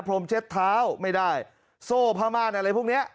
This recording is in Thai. พรมเช็ดเท้าไม่ได้โซ่ผ้าม่านอะไรพวกนี้